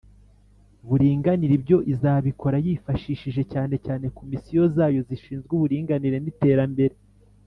buringanire Ibyo izabikora yifashishije cyane cyane Komisiyo zayo zishinzwe Uburinganire n Iterambere